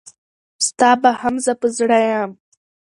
ستا به هم زه په زړه یم.